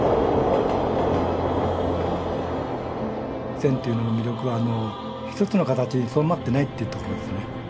線というのの魅力はあの一つの形にとどまってないっていうところですね。